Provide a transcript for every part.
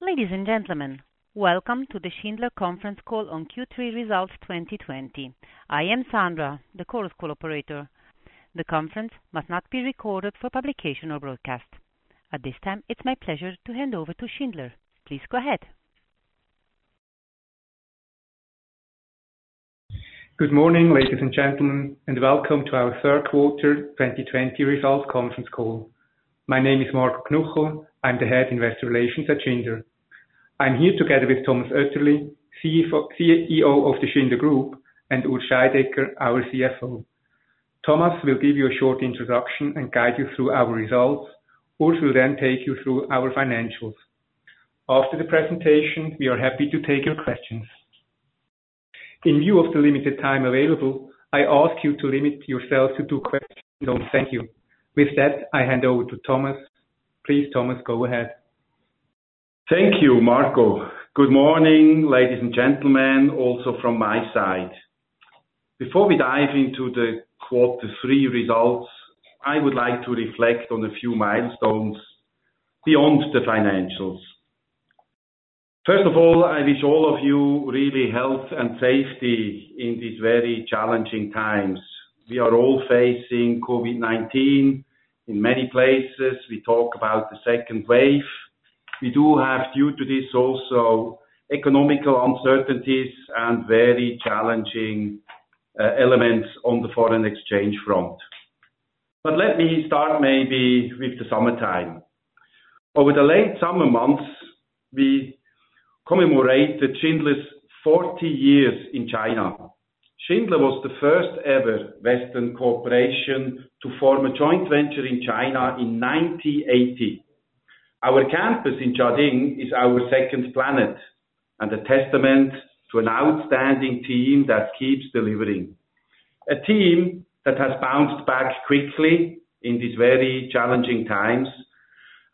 Ladies and gentlemen, welcome to the Schindler conference call on Q3 results 2020. I am Sandra, the call's co-operator. The conference must not be recorded for publication or broadcast. At this time, it's my pleasure to hand over to Schindler. Please go ahead. Good morning, ladies and gentlemen, welcome to our third quarter 2020 results conference call. My name is Marco Knuchel. I'm the Head Investor Relations at Schindler. I'm here together with Thomas Oetterli, CEO of the Schindler Group, and Urs Scheidegger, our CFO. Thomas will give you a short introduction and guide you through our results. Urs will take you through our financial. After the presentation, we are happy to take your question. In view of the limited time available, I ask you to limit yourself to two questions. Thank you. I hand over to Thomas. Please, Thomas, go ahead. Thank you, Marco. Good morning, ladies and gentlemen, also from my side. Before we dive into the quarter three results, I would like to reflect on a few milestones beyond the financials. First of all, I wish all of you really health and safety in these very challenging times. We are all facing COVID-19. In many places, we talk about the second wave. We do have, due to this also, economic uncertainties and very challenging elements on the foreign exchange front. Let me start maybe with the summertime. Over the late summer months, we commemorate Schindler's 40 years in China. Schindler was the first-ever Western corporation to form a joint venture in China in 1980. Our campus in Jiading is our second plant and a testament to an outstanding team that keeps delivering. A team that has bounced back quickly in these very challenging times,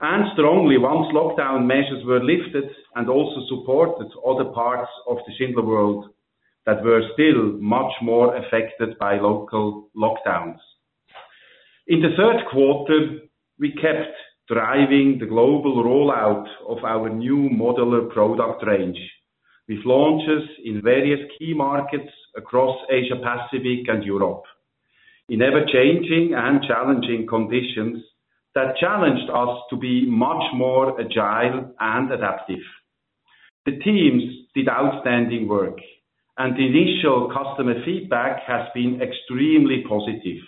and strongly once lockdown measures were lifted and also supported other parts of the Schindler world that were still much more affected by local lockdowns. In the third quarter, we kept driving the global rollout of our new modular product range with launches in various key markets across Asia Pacific and Europe. In ever-changing and challenging conditions that challenged us to be much more agile and adaptive. The teams did outstanding work, and the initial customer feedback has been extremely positive.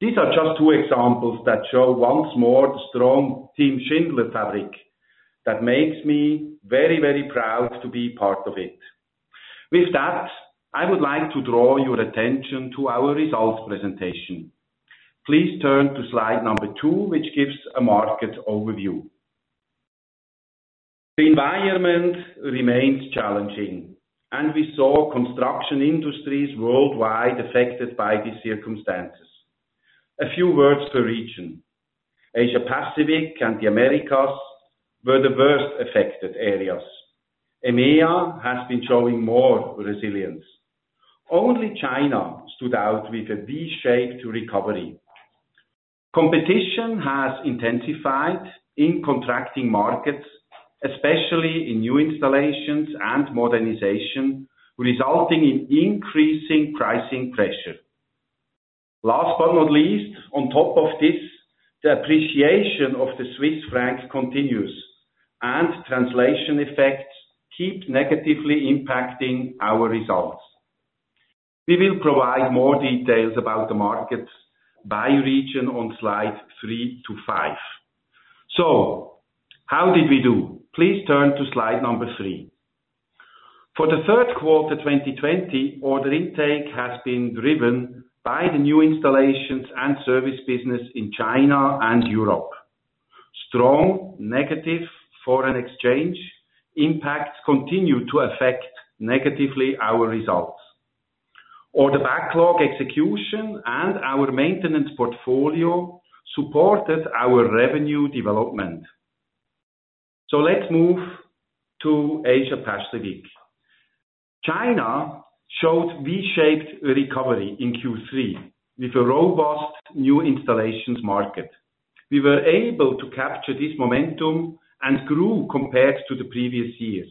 These are just two examples that show once more the strong team Schindler fabric that makes me very proud to be part of it. With that, I would like to draw your attention to our results presentation. Please turn to slide number two, which gives a market overview. The environment remains challenging. We saw construction industries worldwide affected by these circumstances. A few words per region. Asia, Pacific, and the Americas were the worst affected areas. EMEA has been showing more resilience. Only China stood out with a V-shaped recovery. Competition has intensified in contracting markets, especially in new installations and modernization, resulting in increasing pricing pressure. Last but not least, on top of this, the appreciation of the Swiss franc continues, and translation effects keep negatively impacting our results. We will provide more details about the markets by region on slides three to five. How did we do? Please turn to slide number three. For the third quarter 2020, order intake has been driven by the new installations and service business in China and Europe. Strong negative foreign exchange impacts continue to affect negatively our results. Order backlog execution and our maintenance portfolio supported our revenue development. Let's move to Asia Pacific. China showed V-shaped recovery in Q3 with a robust New Installations market. We were able to capture this momentum and grew compared to the previous year.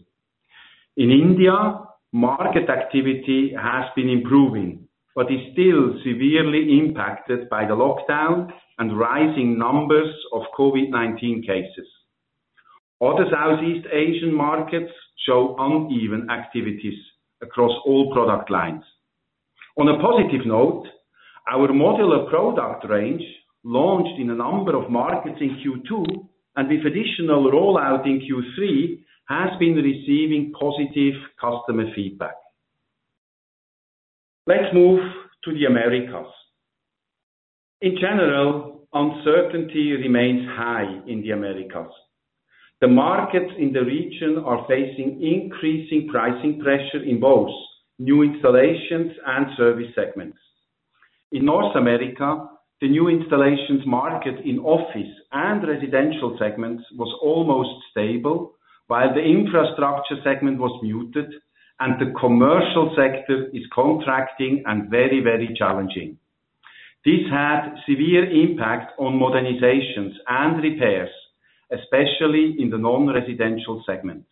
In India, market activity has been improving, but is still severely impacted by the lockdown and rising numbers of COVID-19 cases. Other Southeast Asian markets show uneven activities across all product lines. On a positive note, our modular product range launched in a number of markets in Q2, and with additional rollout in Q3, has been receiving positive customer feedback. Let's move to the Americas. In general, uncertainty remains high in the Americas. The markets in the region are facing increasing pricing pressure in both New Installations and service segments. In North America, the New Installations market in office and residential segments was almost stable, while the infrastructure segment was muted and the commercial sector is contracting and very challenging. This had severe impact on Modernizations and repairs, especially in the non-residential segment.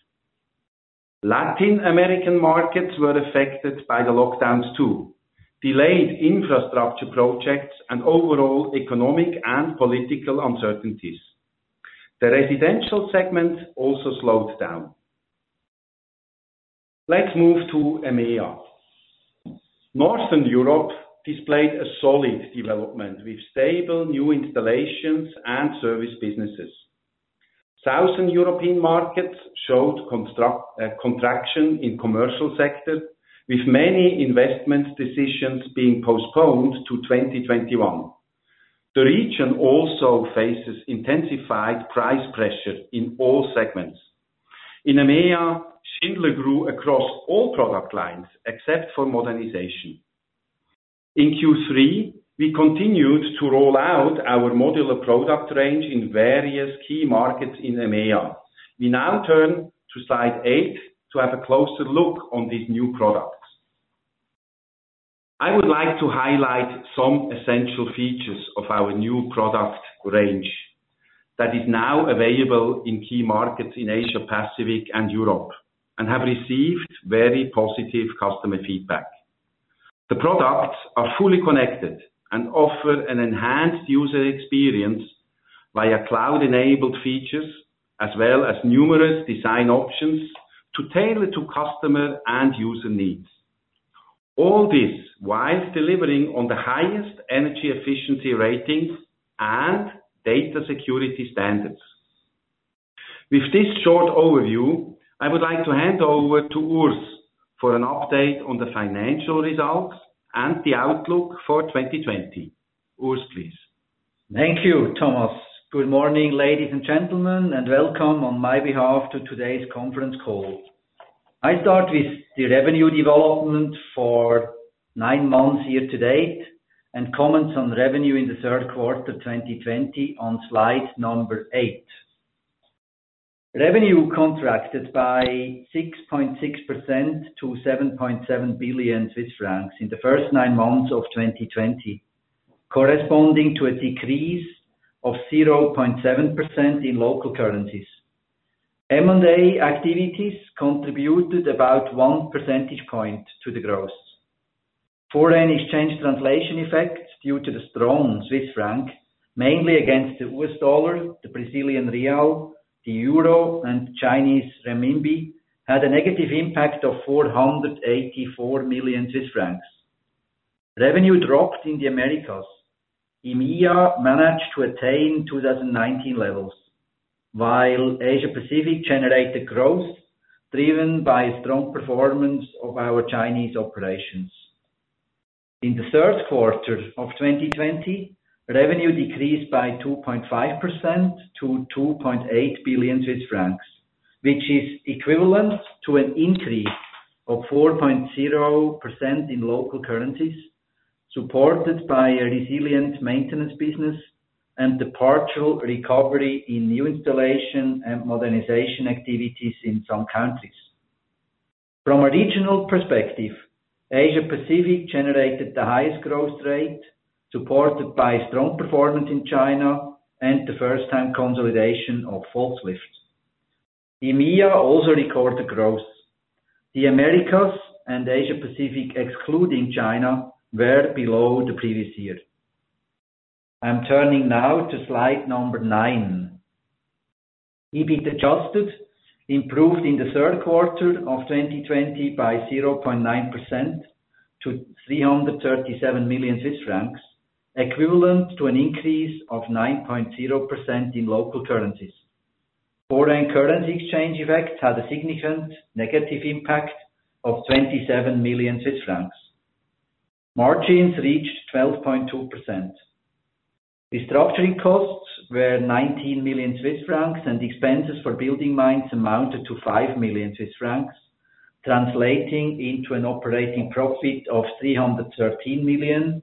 Latin American markets were affected by the lockdowns too, delayed infrastructure projects, and overall economic and political uncertainties. The residential segment also slowed down. Let's move to EMEA. Northern Europe displayed a solid development with stable New Installations and service businesses. Southern European markets showed contraction in commercial sector, with many investment decisions being postponed to 2021. The region also faces intensified price pressure in all segments. In EMEA, Schindler grew across all product lines except for Modernization. In Q3, we continued to roll out our modular product range in various key markets in EMEA. We now turn to slide eight to have a closer look on these new products. I would like to highlight some essential features of our new product range that is now available in key markets in Asia, Pacific, and Europe, and have received very positive customer feedback. The products are fully connected and offer an enhanced user experience via cloud-enabled features, as well as numerous design options to tailor to customer and user needs. All this while delivering on the highest energy efficiency ratings and data security standards. With this short overview, I would like to hand over to Urs for an update on the financial results and the outlook for 2020. Urs, please. Thank you, Thomas. Good morning, ladies and gentlemen, and welcome on my behalf to today's conference call. I start with the revenue development for nine months year-to-date and comments on revenue in the third quarter 2020 on slide number eight. Revenue contracted by 6.6% to 7.7 billion Swiss francs in the first nine months of 2020, corresponding to a decrease of 0.7% in local currencies. M&A activities contributed about one percentage point to the growth. Foreign exchange translation effects due to the strong Swiss franc, mainly against the US dollar, the Brazilian real, the euro, and Chinese renminbi, had a negative impact of 484 million Swiss francs. Revenue dropped in the Americas. EMEA managed to attain 2019 levels, while Asia-Pacific generated growth driven by strong performance of our Chinese operations. In the third quarter of 2020, revenue decreased by 2.5% to 2.8 billion Swiss francs, which is equivalent to an increase of 4.0% in local currencies, supported by a resilient maintenance business and the partial recovery in new installation and modernization activities in some countries. From a regional perspective, Asia-Pacific generated the highest growth rate, supported by strong performance in China and the first time consolidation of Volkslift. EMEA also recorded growth. The Americas and Asia-Pacific, excluding China, were below the previous year. I'm turning now to slide number nine. EBIT adjusted improved in the third quarter of 2020 by 0.9% to 337 million Swiss francs, equivalent to an increase of 9.0% in local currencies. Foreign currency exchange effects had a significant negative impact of 27 million Swiss francs. Margins reached 12.2%. Restructuring costs were 19 million Swiss francs, expenses for BuildingMinds amounted to 5 million Swiss francs, translating into an operating profit of 313 million,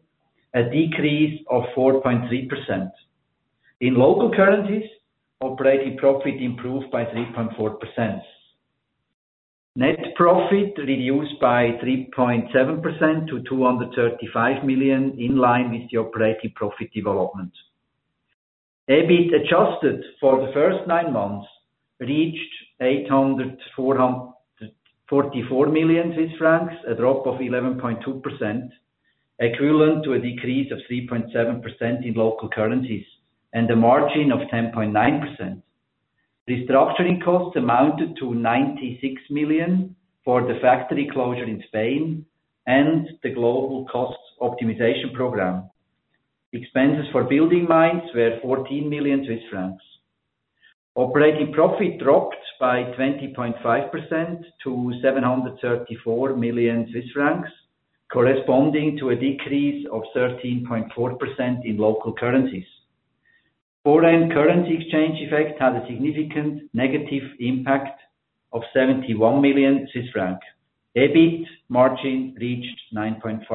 a decrease of 4.3%. In local currencies, operating profit improved by 3.4%. Net profit reduced by 3.7% to 235 million, in line with the operating profit development. EBIT adjusted for the first nine months reached 844 million Swiss francs, a drop of 11.2%, equivalent to a decrease of 3.7% in local currencies and a margin of 10.9%. Restructuring costs amounted to 96 million for the factory closure in Spain and the global cost optimization program. Expenses for BuildingMinds were 14 million Swiss francs. Operating profit dropped by 20.5% to 734 million Swiss francs, corresponding to a decrease of 13.4% in local currencies. Foreign currency exchange effect had a significant negative impact of 71 million franc. EBIT margin reached 9.5%.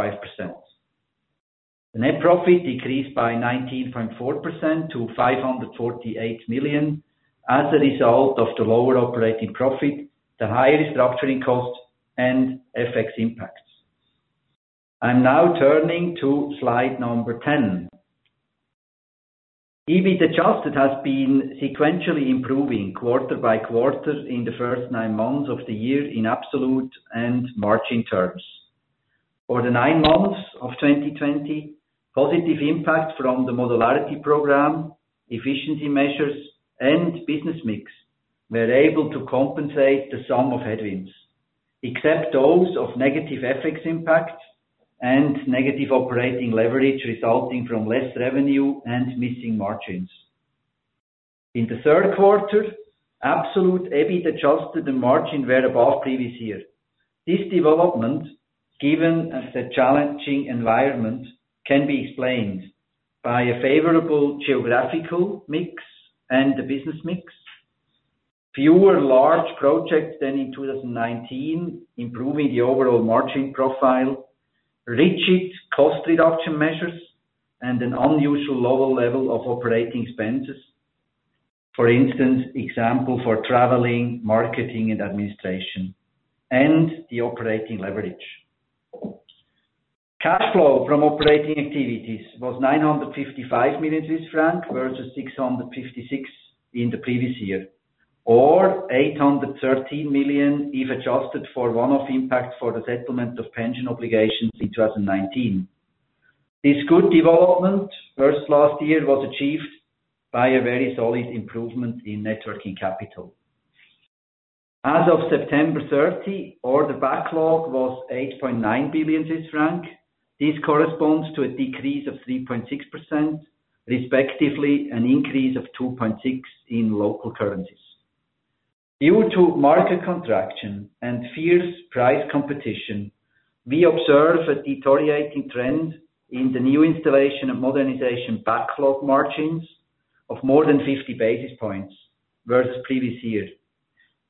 The net profit decreased by 19.4% to 548 million. As a result of the lower operating profit, the higher restructuring cost and FX impacts. I'm now turning to slide number 10. EBIT adjusted has been sequentially improving quarter by quarter in the first nine months of the year in absolute and margin terms. For the nine months of 2020, positive impact from the modularity program, efficiency measures, and business mix were able to compensate the sum of headwinds, except those of negative FX impact and negative operating leverage resulting from less revenue and missing margins. In the third quarter, absolute EBIT adjusted and margin were above previous year. This development, given as the challenging environment, can be explained by a favorable geographical mix and the business mix. Fewer large projects than in 2019, improving the overall margin profile, rigid cost reduction measures, and an unusual lower level of operating expenses. For instance, for traveling, marketing, and administration and the operating leverage. Cash flow from operating activities was 955 million Swiss francs, versus 656 million in the previous year, or 813 million, if adjusted for one-off impact for the settlement of pension obligations in 2019. This good development versus last year was achieved by a very solid improvement in net working capital. As of September 30, order backlog was 8.9 billion Swiss francs. This corresponds to a decrease of 3.6%, respectively, an increase of 2.6% in local currencies. Due to market contraction and fierce price competition, we observe a deteriorating trend in the New Installation and Modernization backlog margins of more than 50 basis points versus previous year.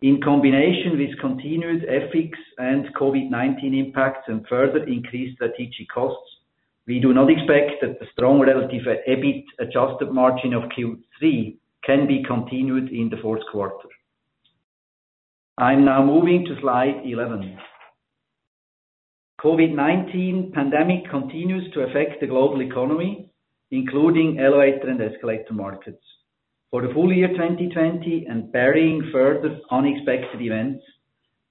In combination with continued FX and COVID-19 impacts and further increased strategic costs, we do not expect that the strong relative EBIT adjusted margin of Q3 can be continued in the fourth quarter. I'm now moving to slide 11. COVID-19 pandemic continues to affect the global economy, including elevator and escalator markets. For the full year 2020 and barring further unexpected events,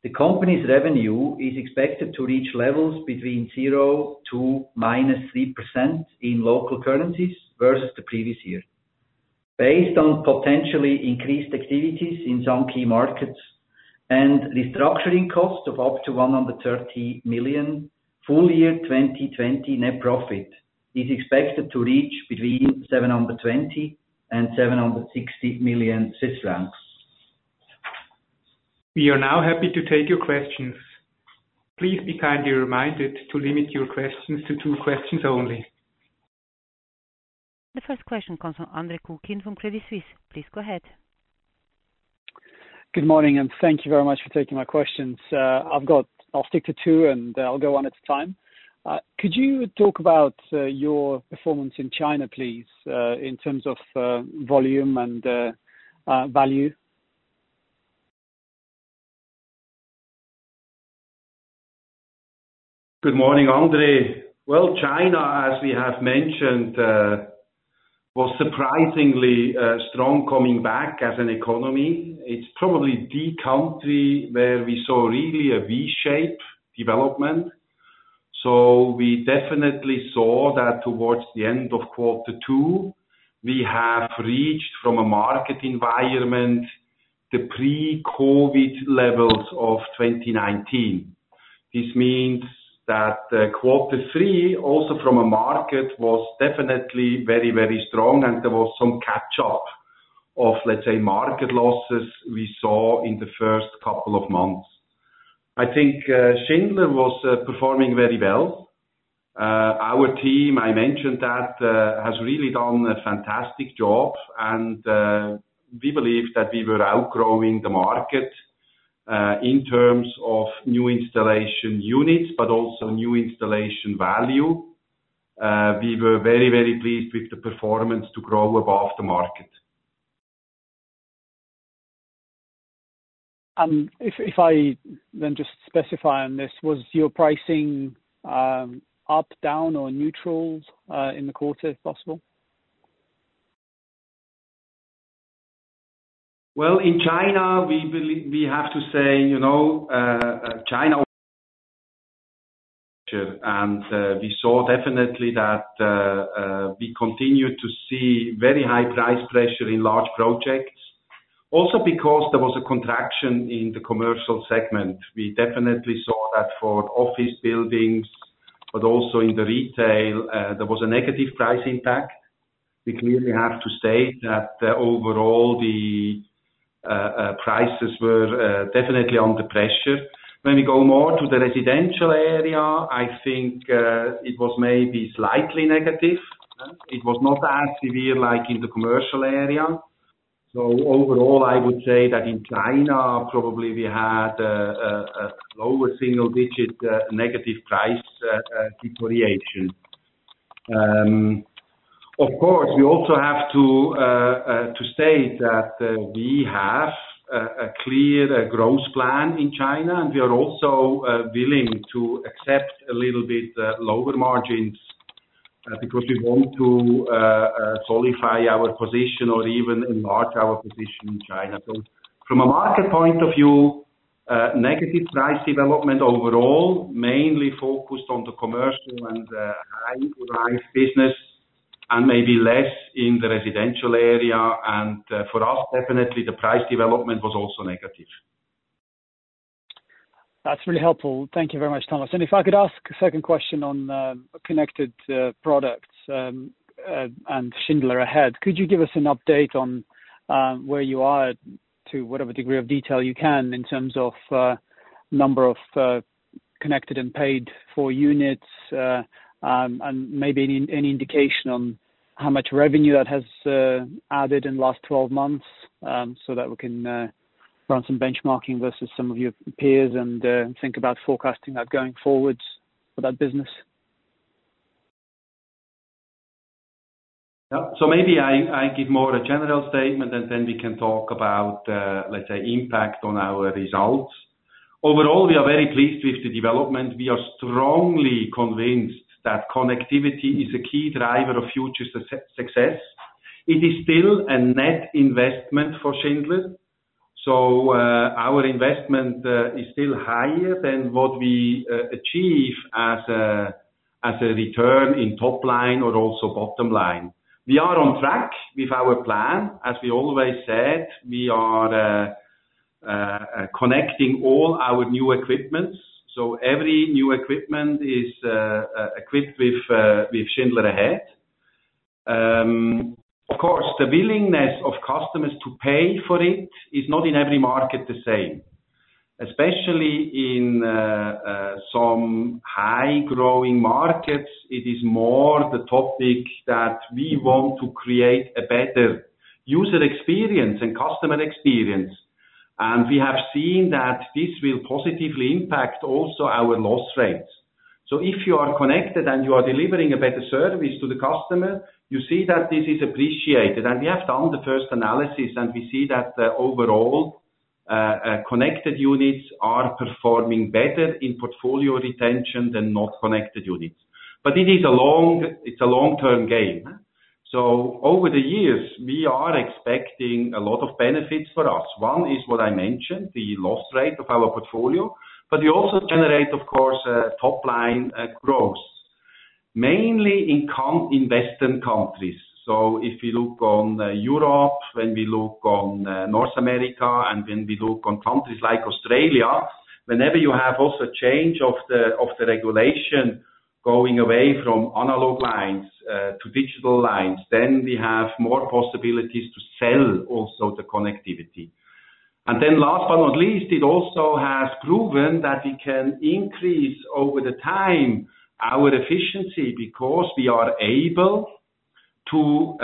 the company's revenue is expected to reach levels between 0% to -3% in local currencies versus the previous year. Based on potentially increased activities in some key markets and restructuring cost of up to 130 million, full year 2020 net profit is expected to reach between 720 million and 760 million Swiss francs. We are now happy to take your questions. Please be kindly reminded to limit your questions to two questions only. The first question comes from Andre Kukhnin from Credit Suisse. Please go ahead. Good morning, thank you very much for taking my questions. I'll stick to two, I'll go one at a time. Could you talk about your performance in China, please, in terms of volume and value? Good morning, Andre. China, as we have mentioned, was surprisingly strong coming back as an economy. It's probably the country where we saw really a V-shaped development. We definitely saw that towards the end of quarter two, we have reached from a market environment, the pre-COVID levels of 2019. This means that quarter three, also from a market, was definitely very strong and there was some catch-up of, let's say, market losses we saw in the first couple of months. I think Schindler was performing very well. Our team, I mentioned that, has really done a fantastic job and we believe that we were outgrowing the market, in terms of new installation units, but also new installation value. We were very pleased with the performance to grow above the market. If I then just specify on this, was your pricing up, down, or neutral in the quarter, if possible? In China, we have to say, China and we saw definitely that we continued to see very high price pressure in large projects. Because there was a contraction in the commercial segment. We definitely saw that for office buildings, but also in the retail, there was a negative price impact. We clearly have to state that overall the prices were definitely under pressure. When we go more to the residential area, I think it was maybe slightly negative. It was not as severe like in the commercial area. Overall, I would say that in China, probably we had a lower single-digit negative price deterioration. Of course, we also have to state that we have a clear growth plan in China, and we are also willing to accept a little bit lower margins because we want to solidify our position or even enlarge our position in China. From a market point of view, negative price development overall, mainly focused on the commercial and high-rise business, and maybe less in the residential area. For us, definitely the price development was also negative. That's really helpful. Thank you very much, Thomas. If I could ask a second question on connected products and Schindler Ahead. Could you give us an update on where you are to whatever degree of detail you can in terms of number of connected and paid-for units, and maybe any indication on how much revenue that has added in the last 12 months, so that we can run some benchmarking versus some of your peers and think about forecasting that going forward for that business? Yeah. Maybe I give more a general statement, and then we can talk about, let's say, impact on our results. Overall, we are very pleased with the development. We are strongly convinced that connectivity is a key driver of future success. It is still a net investment for Schindler, so our investment is still higher than what we achieve as a return in top line or also bottom line. We are on track with our plan. As we always said, we are connecting all our new equipment, so every new equipment is equipped with Schindler Ahead. Of course, the willingness of customers to pay for it is not in every market the same. Especially in some high-growing markets, it is more the topic that we want to create a better user experience and customer experience. We have seen that this will positively impact also our loss rates. If you are connected and you are delivering a better service to the customer, you see that this is appreciated. We have done the first analysis, and we see that overall, connected units are performing better in portfolio retention than not connected units. It's a long-term game. Over the years, we are expecting a lot of benefits for us. One is what I mentioned, the loss rate of our portfolio. We also generate, of course, top line growth, mainly in Western countries. If you look on Europe, when we look on North America, and when we look on countries like Australia, whenever you have also change of the regulation going away from analog lines to digital lines, then we have more possibilities to sell also the connectivity. Last but not least, it also has proven that we can increase over time our efficiency, because we are able to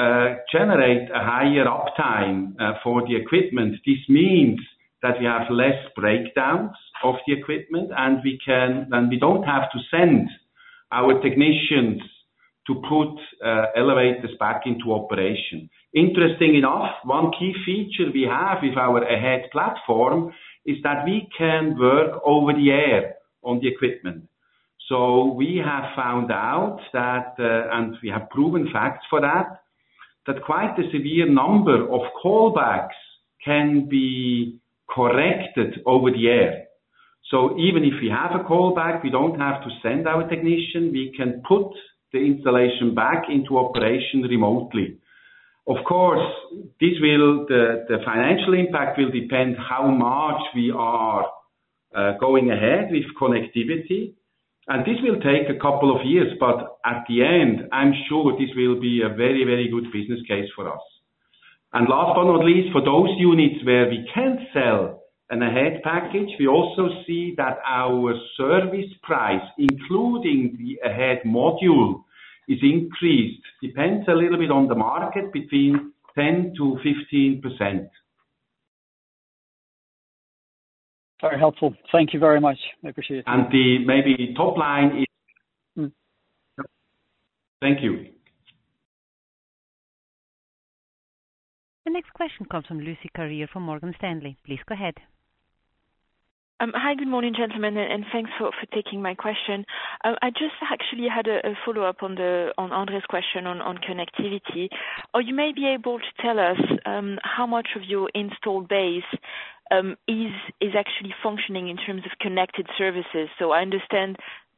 generate a higher uptime for the equipment. This means that we have less breakdowns of the equipment, and we don't have to send our technicians to put elevators back into operation. Interesting enough, one key feature we have with our AHEAD platform is that we can work over the air on the equipment. We have found out that, and we have proven facts for that quite a severe number of callbacks can be corrected over the air. Even if we have a callback, we don't have to send our technician. We can put the installation back into operation remotely. Of course, the financial impact will depend how much we are going ahead with connectivity, and this will take a couple of years, but at the end, I'm sure this will be a very, very good business case for us. Last but not least, for those units where we can sell an AHEAD package, we also see that our service price, including the AHEAD module, is increased. Depends a little bit on the market, between 10%-15%. Very helpful. Thank you very much. I appreciate it. Thank you. The next question comes from Lucie Carrier, from Morgan Stanley. Please go ahead. Hi. Good morning, gentlemen, and thanks for taking my question. I just actually had a follow-up on Andre's question on connectivity. You may be able to tell us how much of your installed base is actually functioning in terms of connected services. I understand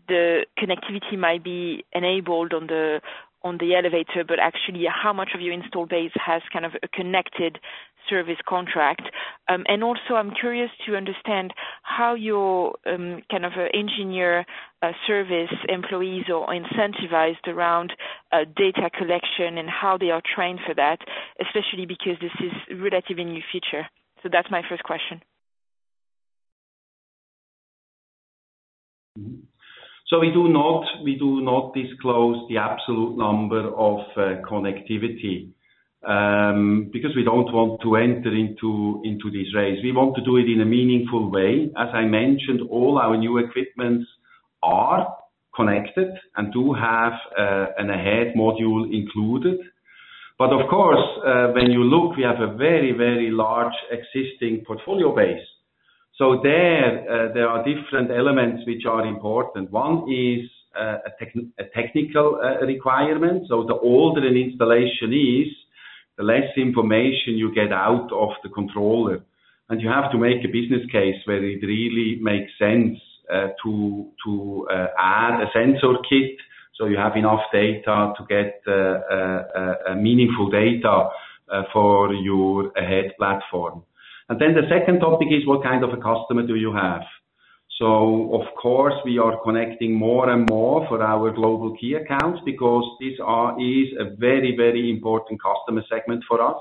the connectivity might be enabled on the elevator, but actually, how much of your installed base has a connected service contract? Also I'm curious to understand how your engineer service employees are incentivized around data collection and how they are trained for that, especially because this is a relatively new feature. That's my first question. We do not disclose the absolute number of connectivity. Because we don't want to enter into this race. We want to do it in a meaningful way. As I mentioned, all our new equipments are connected and do have an AHEAD module included. Of course, when you look, we have a very large existing portfolio base. There, there are different elements which are important. One is a technical requirement. The older an installation is, the less information you get out of the controller. You have to make a business case where it really makes sense to add a sensor kit so you have enough data to get meaningful data for your AHEAD platform. The second topic is what kind of a customer do you have? Of course, we are connecting more and more for our global key accounts because this is a very important customer segment for us.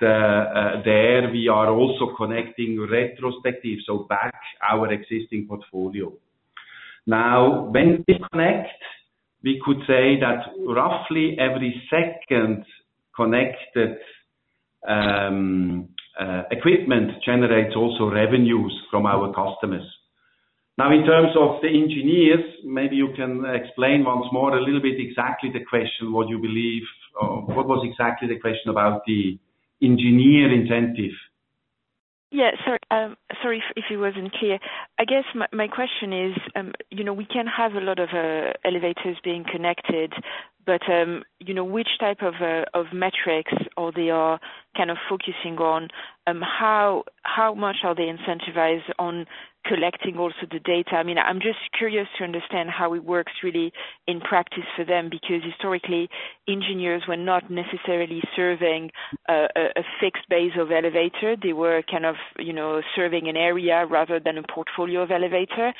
There we are also connecting retrospective, so back our existing portfolio. When we connect, we could say that roughly every second connected equipment generates also revenues from our customers. In terms of the engineers, maybe you can explain once more a little bit exactly the question. What was exactly the question about the engineer incentive? Sorry if it wasn't clear. I guess my question is, Which type of metrics are they kind of focusing on? How much are they incentivized on collecting also the data? I'm just curious to understand how it works really in practice for them, because historically, engineers were not necessarily serving a fixed base of elevator. They were kind of serving an area rather than a portfolio of elevator.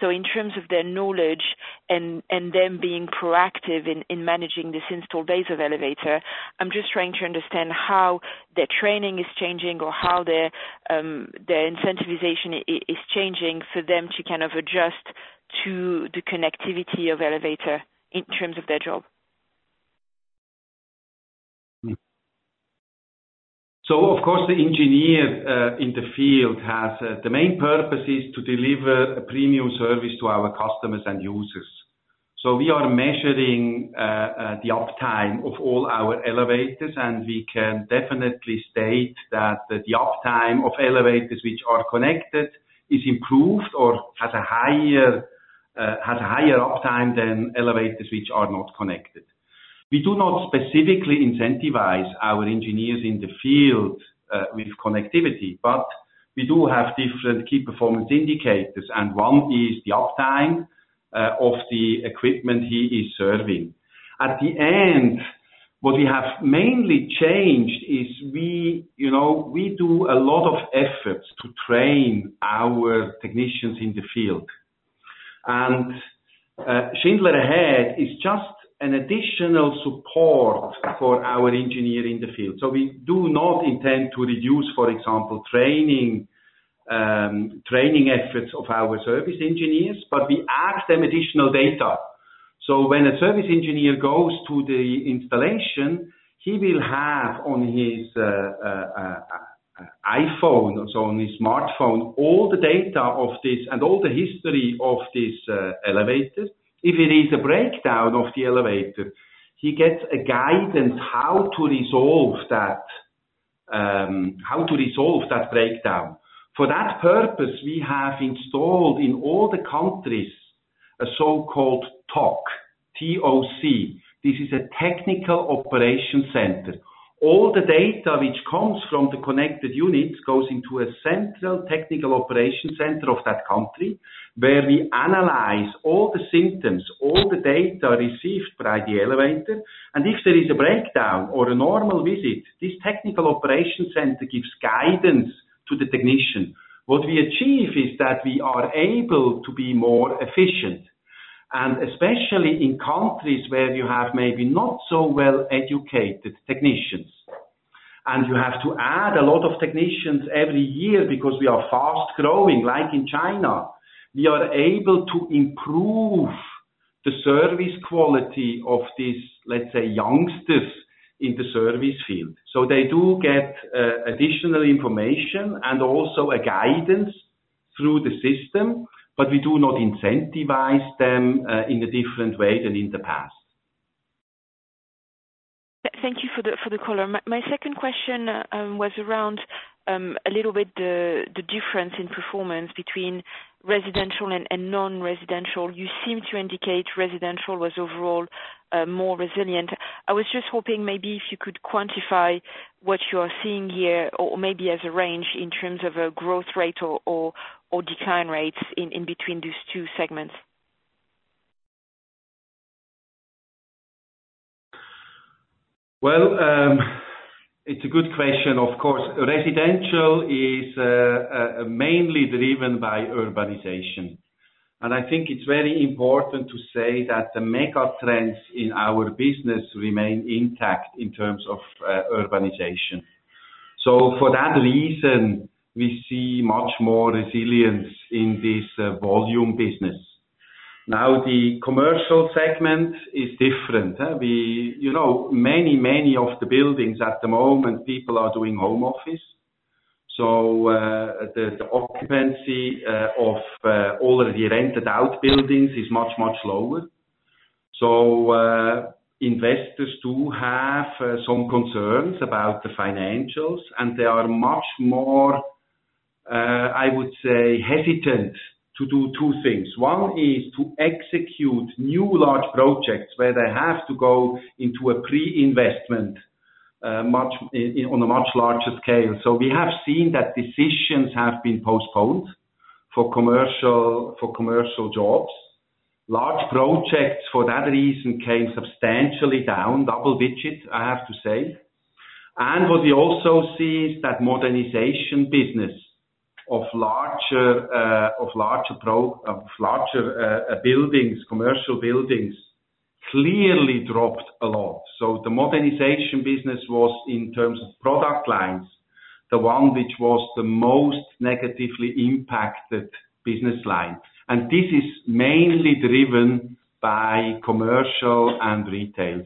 In terms of their knowledge and them being proactive in managing this installed base of elevator, I'm just trying to understand how their training is changing or how their incentivization is changing for them to kind of adjust to the connectivity of elevator in terms of their job. Of course, the engineer in the field, the main purpose is to deliver a premium service to our customers and users. We are measuring the uptime of all our elevators, and we can definitely state that the uptime of elevators which are connected is improved or has a higher uptime than elevators which are not connected. We do not specifically incentivize our engineers in the field with connectivity, but we do have different key performance indicators, and one is the uptime of the equipment he is serving. At the end, what we have mainly changed is we do a lot of efforts to train our technicians in the field. Schindler Ahead is just an additional support for our engineer in the field. We do not intend to reduce, for example, training efforts of our service engineers, but we add them additional data. When a service engineer goes to the installation, he will have on his iPhone or on his smartphone, all the data of this and all the history of this elevator. If it is a breakdown of the elevator, he gets a guidance how to resolve that breakdown. For that purpose, we have installed in all the countries a so-called TOC, T-O-C. This is a Technical Operations Center. All the data which comes from the connected units goes into a central Technical Operations Center of that country, where we analyze all the symptoms, all the data received by the elevator. If there is a breakdown or a normal visit, this Technical Operations Center gives guidance to the technician. What we achieve is that we are able to be more efficient, and especially in countries where you have maybe not so well-educated technicians, and you have to add a lot of technicians every year because we are fast-growing, like in China. We are able to improve the service quality of these, let's say, youngsters in the service field. They do get additional information and also a guidance through the system, but we do not incentivize them in a different way than in the past. Thank you for the color. My second question was around a little bit the difference in performance between residential and non-residential. You seem to indicate residential was overall more resilient. I was just hoping maybe if you could quantify what you are seeing here, or maybe as a range in terms of a growth rate or decline rates in between these two segments? It's a good question. Of course. Residential is mainly driven by urbanization, and I think it's very important to say that the mega trends in our business remain intact in terms of urbanization. For that reason, we see much more resilience in this volume business. The commercial segment is different. Many of the buildings at the moment, people are doing home office. The occupancy of all the rented out buildings is much lower. Investors do have some concerns about the financials, and they are much more, I would say, hesitant to do two things. One is to execute new large projects where they have to go into a pre-investment on a much larger scale. We have seen that decisions have been postponed for commercial jobs. Large projects for that reason came substantially down, double digits, I have to say. What we also see is that modernization business of larger buildings, commercial buildings, clearly dropped a lot. The modernization business was, in terms of product lines, the one which was the most negatively impacted business line. This is mainly driven by commercial and retail.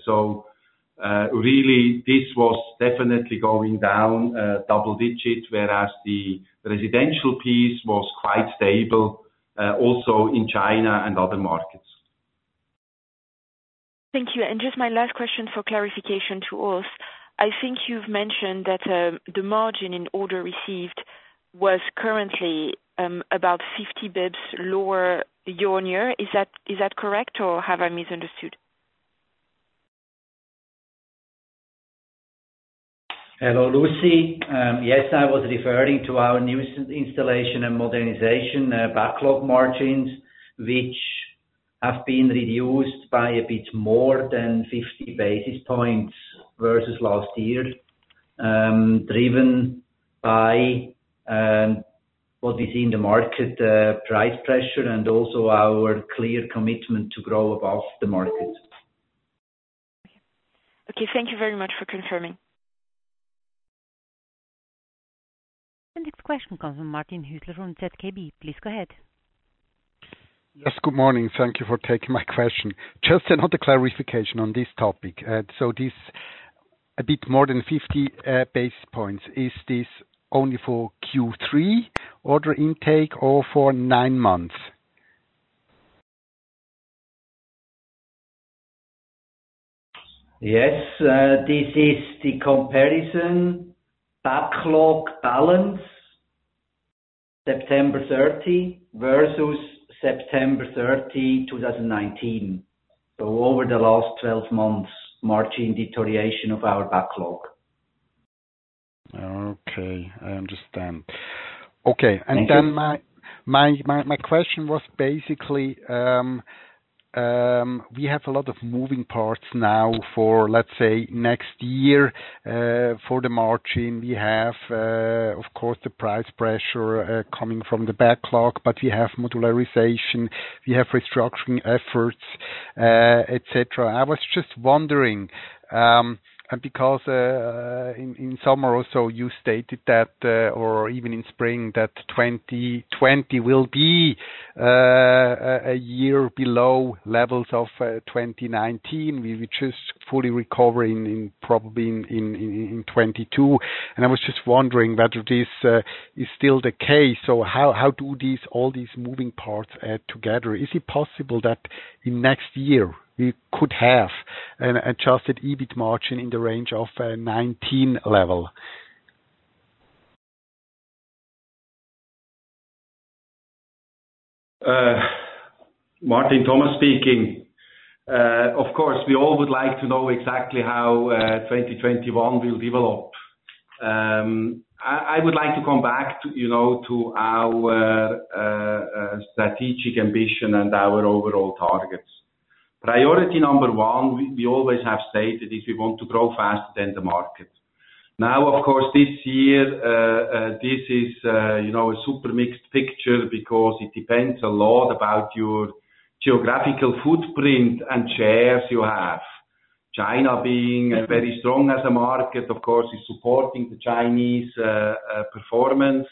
Really this was definitely going down double digits, whereas the residential piece was quite stable, also in China and other markets. Thank you. Just my last question for clarification to Urs. I think you've mentioned that the margin in order received was currently about 50 bps lower year-on-year. Is that correct, or have I misunderstood? Hello, Lucie. Yes, I was referring to our new installation and modernization backlog margins, which have been reduced by a bit more than 50 basis points versus last year, driven by what we see in the market, price pressure, and also our clear commitment to grow above the market. Okay. Thank you very much for confirming. The next question comes from Martin Hüsler from ZKB. Please go ahead. Yes, good morning. Thank you for taking my question. Just another clarification on this topic. This a bit more than 50 basis points. Is this only for Q3 order intake or for nine months? Yes. This is the comparison backlog balance September 30 versus September 30, 2019. Over the last 12 months, margin deterioration of our backlog. Okay, I understand. Okay. Thank you. My question was basically, we have a lot of moving parts now for, let's say, next year, for the margin. We have, of course, the price pressure coming from the backlog, we have modernization, we have restructuring efforts, et cetera. I was just wondering, because in summer or so you stated that, or even in spring, that 2020 will be a year below levels of 2019. We were just fully recovering in probably in 2022. I was just wondering whether this is still the case. How do all these moving parts add together? Is it possible that in next year we could have an adjusted EBIT margin in the range of 2019 level? Martin, Thomas speaking. Of course, we all would like to know exactly how 2021 will develop. I would like to come back to our strategic ambition and our overall targets. Priority number one, we always have stated, is we want to grow faster than the market. Of course, this year, this is a super mixed picture because it depends a lot about your geographical footprint and shares you have. China being a very strong as a market, of course, is supporting the Chinese performance.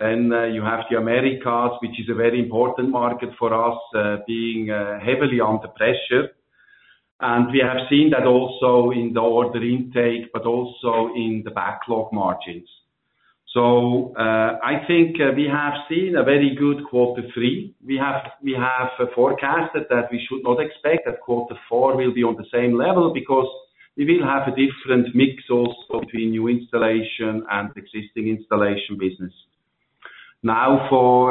You have the Americas, which is a very important market for us, being heavily under pressure. We have seen that also in the order intake, but also in the backlog margins. I think we have seen a very good quarter three. We have forecasted that we should not expect that quarter four will be on the same level because we will have a different mix also between new installation and existing installation business. For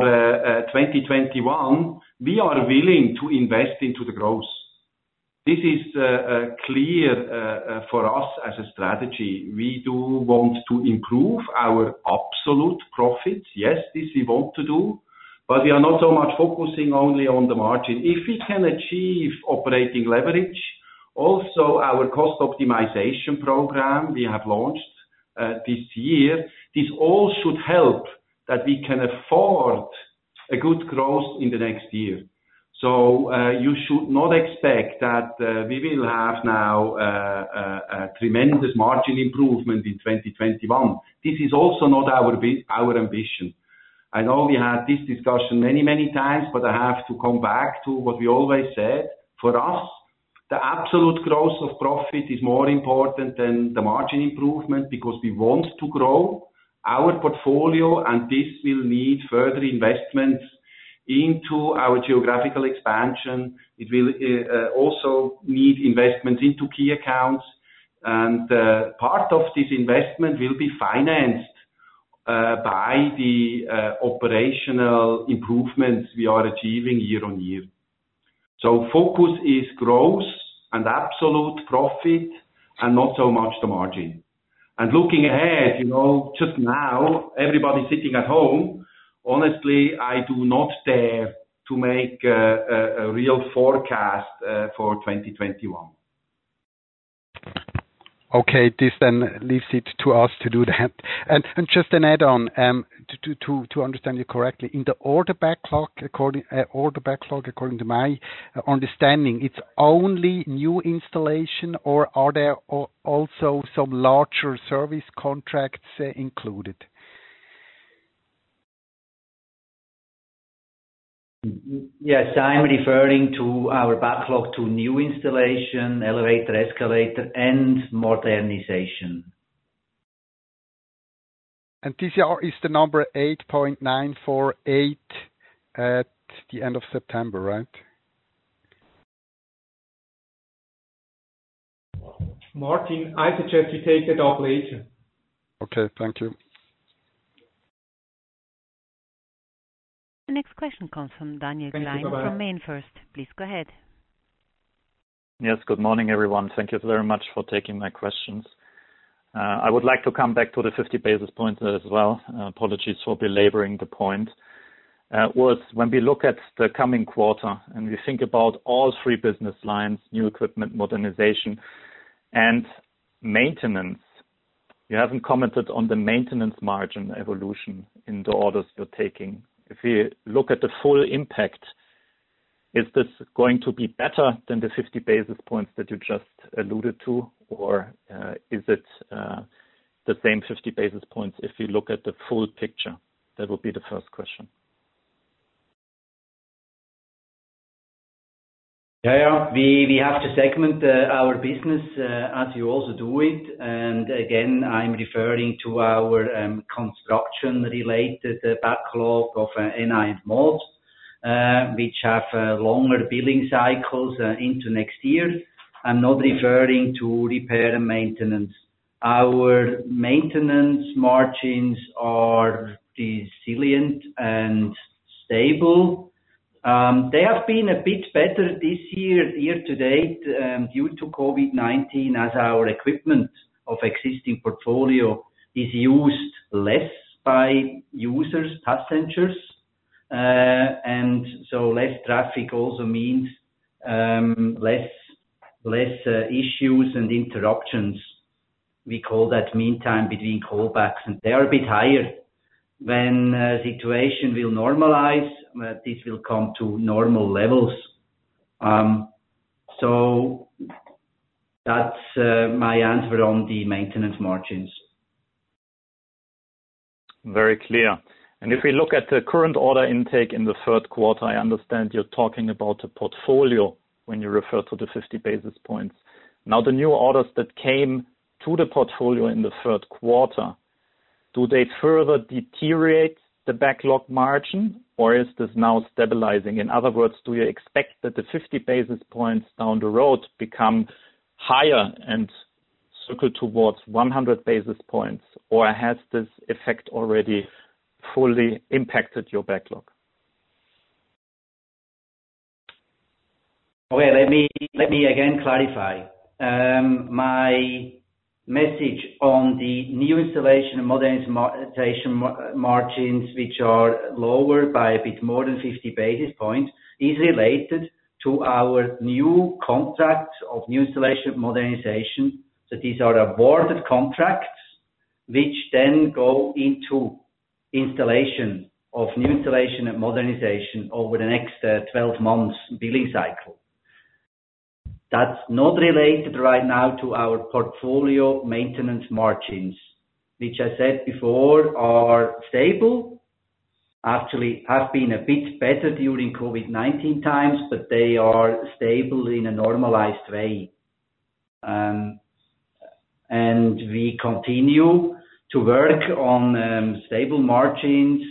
2021, we are willing to invest into the growth. This is clear for us as a strategy. We do want to improve our absolute profit. Yes, this we want to do, we are not so much focusing only on the margin. If we can achieve operating leverage, also our cost optimization program we have launched this year, this all should help that we can afford a good growth in the next year. You should not expect that we will have now a tremendous margin improvement in 2021. This is also not our ambition. I know we had this discussion many, many times, but I have to come back to what we always said. For us, the absolute growth of profit is more important than the margin improvement because we want to grow our portfolio, and this will need further investments into our geographical expansion. It will also need investments into key accounts, and part of this investment will be financed by the operational improvements we are achieving year-on-year. Focus is growth and absolute profit and not so much the margin. Looking ahead, just now, everybody sitting at home, honestly, I do not dare to make a real forecast for 2021. Okay. This then leaves it to us to do that. Just an add-on, to understand you correctly, in the order backlog, according to my understanding, it's only New Installation, or are there also some larger service contracts included? Yes, I'm referring to our backlog to new installations, elevator, escalator, and modernization. This year is the number 8.948 at the end of September, right? Martin, I suggest you take it up later. Okay. Thank you. The next question comes from Daniel Klein. Thank you. Bye-bye. From MainFirst. Please go ahead. Yes, good morning, everyone. Thank you very much for taking my questions. I would like to come back to the 50 basis points as well. Apologies for belaboring the point. When we look at the coming quarter and we think about all three business lines, new equipment, modernization, and maintenance, you haven't commented on the maintenance margin evolution in the orders you're taking. If you look at the full impact, is this going to be better than the 50 basis points that you just alluded to, or is it the same 50 basis points if you look at the full picture? That would be the first question. Yeah. We have to segment our business, as you also do it. Again, I'm referring to our construction-related backlog of NI and Mod, which have longer billing cycles into next year. I'm not referring to repair and maintenance. Our maintenance margins are resilient and stable. They have been a bit better this year to date, due to COVID-19 as our equipment of existing portfolio is used less by users, passengers. Less traffic also means less issues and interruptions. We call that mean time between callbacks, they are a bit higher. When the situation will normalize, this will come to normal levels. That's my answer on the maintenance margins. Very clear. If we look at the current order intake in the third quarter, I understand you're talking about the portfolio when you refer to the 50 basis points. Now, the new orders that came to the portfolio in the third quarter, do they further deteriorate the backlog margin, or is this now stabilizing? In other words, do you expect that the 50 basis points down the road become higher and circle towards 100 basis points, or has this effect already fully impacted your backlog? Well, let me again clarify. My message on the new installation and modernization margins, which are lower by a bit more than 50 basis points, is related to our new contracts of new installation modernization. These are awarded contracts which then go into installation of new installation and modernization over the next 12 months billing cycle. That's not related right now to our portfolio maintenance margins, which I said before are stable. Actually, have been a bit better during COVID-19 times, but they are stable in a normalized way. We continue to work on stable margins.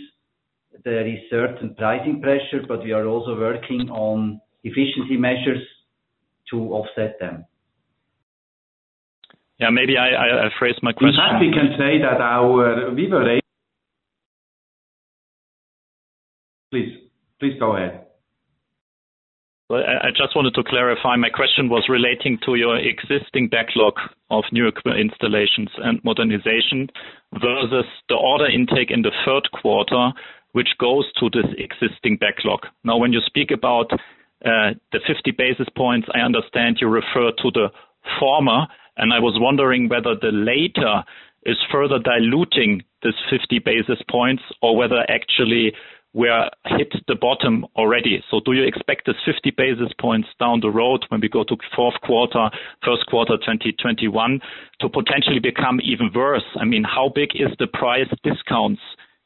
There is certain pricing pressure, but we are also working on efficiency measures to offset them. Yeah. In fact, we can say that our VIVA rate. Please go ahead. I just wanted to clarify. My question was relating to your existing backlog of New equipment Installations and Modernization versus the order intake in the third quarter, which goes to this existing backlog. Now, when you speak about the 50 basis points, I understand you refer to the former, and I was wondering whether the latter is further diluting this 50 basis points or whether actually we are hit the bottom already. Do you expect the 50 basis points down the road when we go to fourth quarter, first quarter 2021, to potentially become even worse? I mean, how big is the price discounts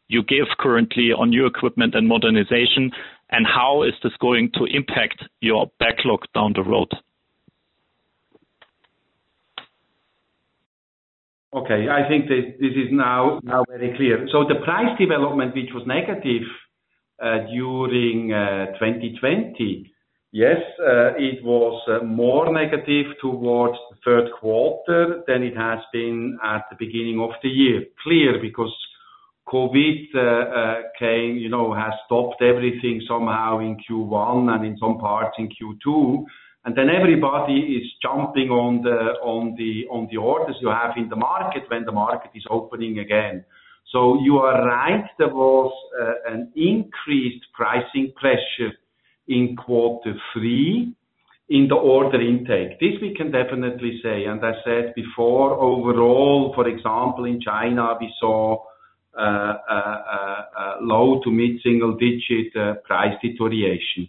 you give currently on new equipment and Modernization, and how is this going to impact your backlog down the road? I think that this is now very clear. The price development, which was negative during 2020, yes, it was more negative towards the third quarter than it has been at the beginning of the year. Clear, because COVID came, has stopped everything somehow in Q1 and in some parts in Q2, and then everybody is jumping on the orders you have in the market when the market is opening again. You are right, there was an increased pricing pressure in quarter three in the order intake. This we can definitely say. I said before, overall, for example, in China, we saw a low- to mid-single-digit price deterioration.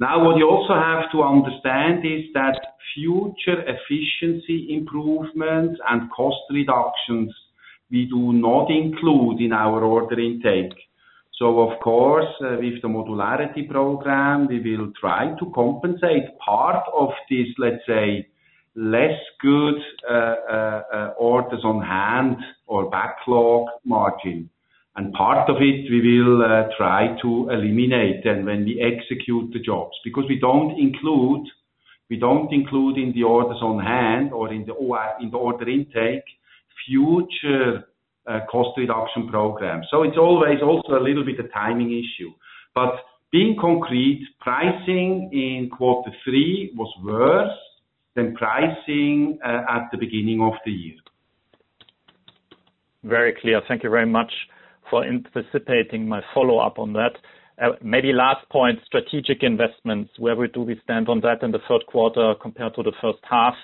Now, what you also have to understand is that future efficiency improvements and cost reductions, we do not include in our order intake. Of course, with the modularity program, we will try to compensate part of this, let's say, less good orders on hand or backlog margin. Part of it, we will try to eliminate then when we execute the jobs, because we don't include in the orders on hand or in the order intake, future cost reduction programs. It's always also a little bit a timing issue. Being concrete, pricing in quarter three was worse than pricing at the beginning of the year. Very clear. Thank you very much for anticipating my follow-up on that. Maybe last point, strategic investments, where do we stand on that in the third quarter compared to the first half,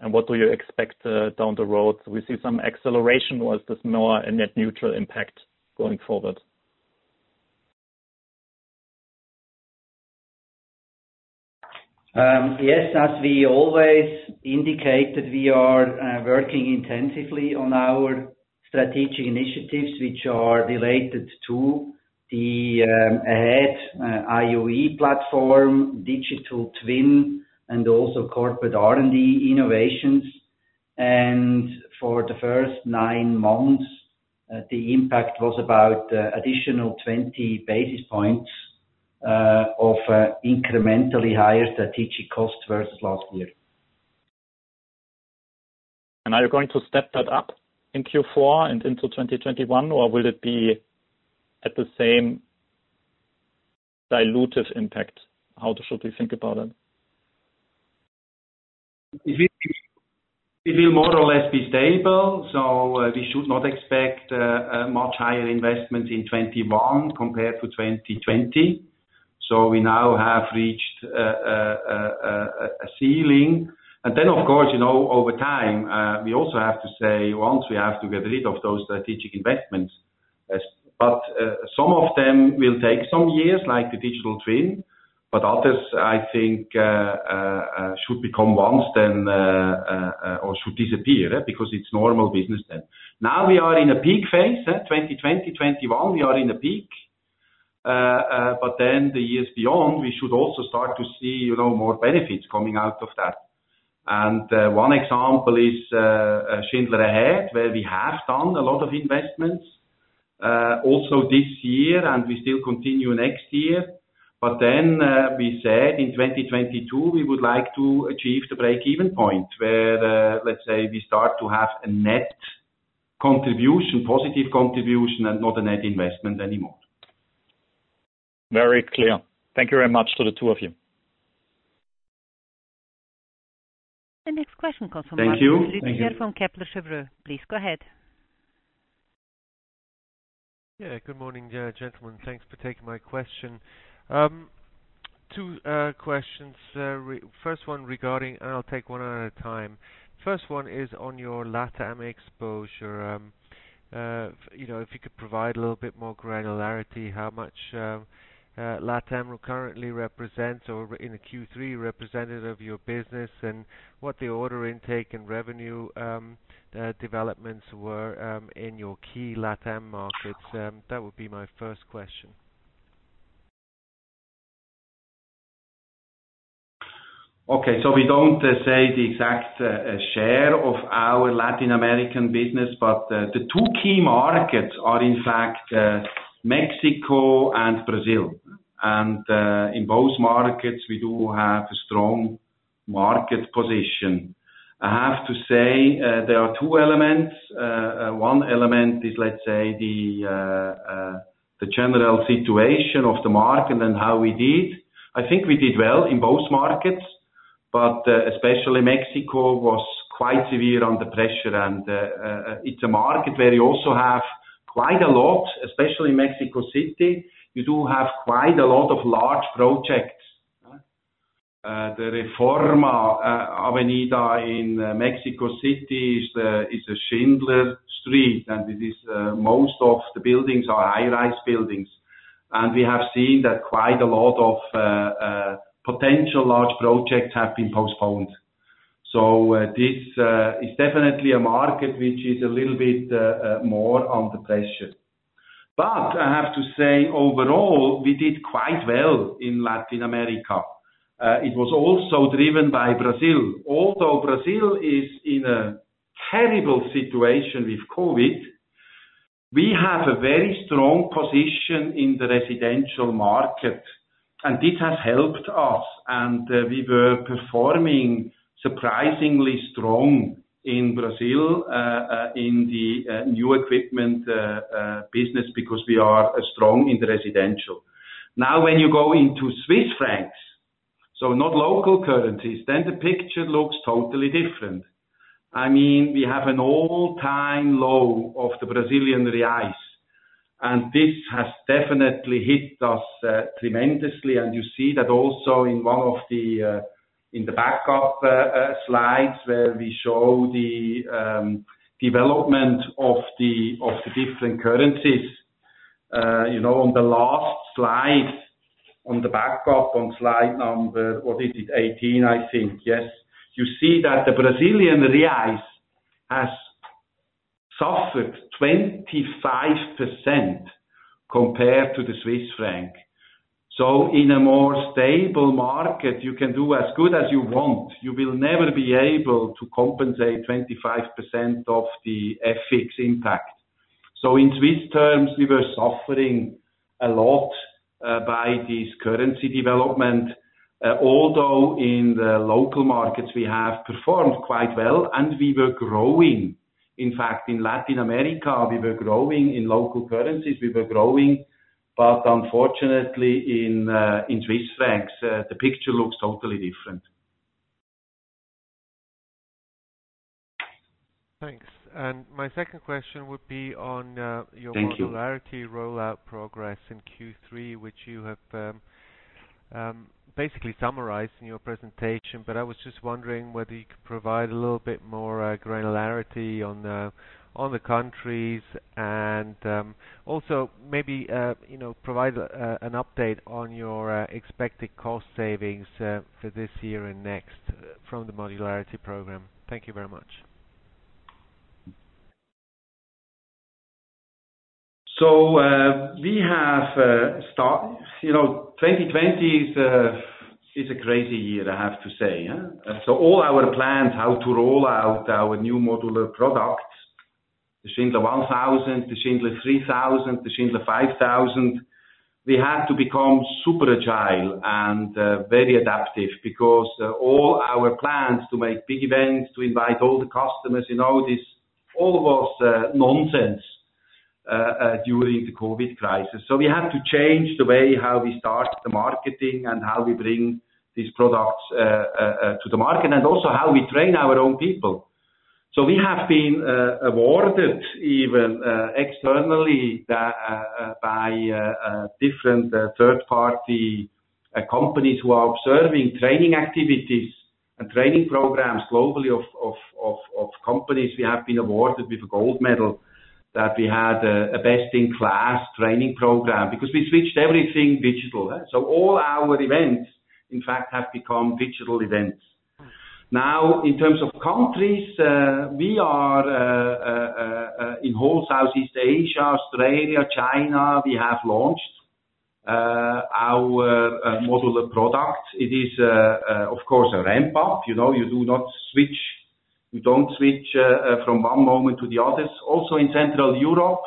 and what do you expect down the road? Do we see some acceleration, or is this more a net neutral impact going forward? Yes, as we always indicated, we are working intensively on our strategic initiatives, which are related to the AHEAD IoEE platform, digital twin, and also corporate R&D innovations. For the first nine months, the impact was about additional 20 basis points of incrementally higher strategic cost versus last year. Are you going to step that up in Q4 and into 2021, or will it be at the same dilutive impact? How should we think about it? It will more or less be stable. We should not expect a much higher investment in 2021 compared to 2020. We now have reached a ceiling. Of course, over time, we also have to say, once we have to get rid of those strategic investments. Some of them will take some years, like the digital twin, but others, I think, should become once then or should disappear because it's normal business then. Now we are in a peak phase, 2020, 2021, we are in a peak. The years beyond, we should also start to see more benefits coming out of that. One example is Schindler AHEAD, where we have done a lot of investments, also this year, and we still continue next year. We said in 2022, we would like to achieve the break-even point where, let's say, we start to have a net contribution, positive contribution, and not a net investment anymore. Very clear. Thank you very much to the two of you. The next question comes from. Thank you. From Kepler Cheuvreux. Please go ahead. Good morning, gentlemen. Thanks for taking my question. Two questions. I'll take one at a time. The first one is on your LATAM exposure. If you could provide a little bit more granularity, how much LATAM currently represents or in the Q3 representative your business and what the order intake and revenue developments were in your key LATAM markets. That would be my first question. We don't say the exact share of our Latin American business, but the two key markets are in fact Mexico and Brazil. In both markets, we do have a strong market position. I have to say, there are two elements. One element is, let's say, the general situation of the market and how we did. I think we did well in both markets, but especially Mexico was quite severe under pressure. It's a market where you also have quite a lot, especially Mexico City, you do have quite a lot of large projects. The Reforma Avenida in Mexico City is a Schindler street, and most of the buildings are high-rise buildings. We have seen that quite a lot of potential large projects have been postponed. This is definitely a market which is a little bit more under pressure. I have to say, overall, we did quite well in Latin America. It was also driven by Brazil. Although Brazil is in a terrible situation with COVID, we have a very strong position in the residential market, and this has helped us. We were performing surprisingly strong in Brazil in the new installations business because we are strong in the residential. When you go into Swiss francs, so not local currencies, then the picture looks totally different. We have an all-time low of the Brazilian reais, this has definitely hit us tremendously. You see that also in the backup slides, where we show the development of the different currencies. On the last slide, on the backup on slide number 18. You see that the Brazilian reais has suffered 25% compared to the Swiss franc. In a more stable market, you can do as good as you want. You will never be able to compensate 25% of the FX impact. In Swiss terms, we were suffering a lot by this currency development, although in the local markets, we have performed quite well, and we were growing. In fact, in Latin America, we were growing. In local currencies, we were growing. Unfortunately, in Swiss franc, the picture looks totally different. Thanks. My second question would be on your- Thank you. Modularity rollout progress in Q3, which you have basically summarized in your presentation. I was just wondering whether you could provide a little bit more granularity on the countries and also maybe provide an update on your expected cost savings for this year and next from the modularity program. Thank you very much. 2020 is a crazy year, I have to say. All our plans how to roll out our new modular products, the Schindler 1000, the Schindler 3000, the Schindler 5000, we had to become super agile and very adaptive because all our plans to make big events, to invite all the customers, all of it was nonsense during the COVID crisis. We had to change the way how we start the marketing and how we bring these products to the market, and also how we train our own people. We have been awarded even externally by different third-party companies who are observing training activities and training programs globally of companies. We have been awarded with a gold medal that we had a best-in-class training program because we switched everything digital. All our events, in fact, have become digital events. Now, in terms of countries, we are in whole Southeast Asia, Australia, China, we have launched our modular product. It is, of course, a ramp-up. You don't switch from one moment to the other. Also in Central Europe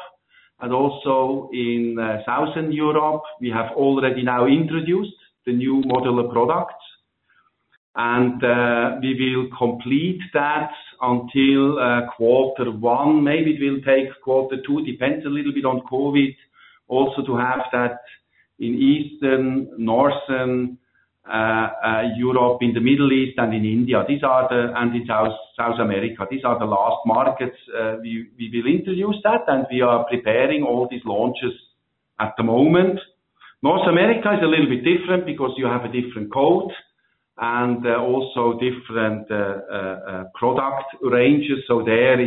and also in Southern Europe, we have already now introduced the new modular product, and we will complete that until quarter one. Maybe it will take quarter two, depends a little bit on COVID, also to have that in Eastern, Northern Europe, in the Middle East, and in India, and in South America. These are the last markets we will introduce that, and we are preparing all these launches at the moment. North America is a little bit different because you have a different code and also different product ranges. There,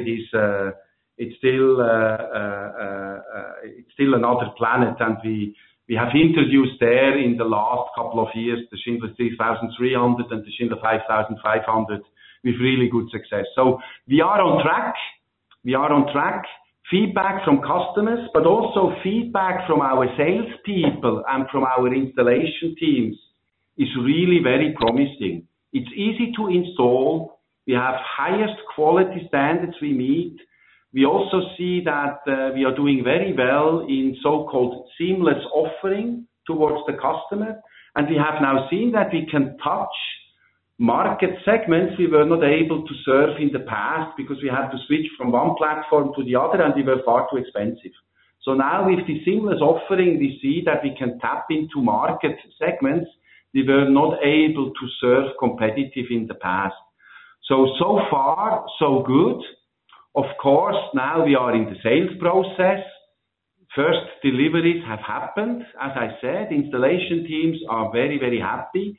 it's still another plant. We have introduced there in the last couple of years, the Schindler 3300 and the Schindler 5500 with really good success. We are on track. Feedback from customers, but also feedback from our sales people and from our installation teams is really very promising. It's easy to install. We have highest quality standards we meet. We also see that we are doing very well in so-called seamless offering towards the customer, and we have now seen that we can touch market segments we were not able to serve in the past because we had to switch from one platform to the other, and we were far too expensive. Now with the seamless offering, we see that we can tap into market segments we were not able to serve competitive in the past. So far so good. Of course, now we are in the sales process. First deliveries have happened. As I said, installation teams are very happy